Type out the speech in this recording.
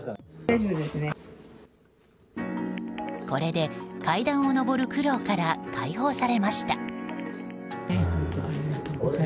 これで階段を上る苦労から解放されました。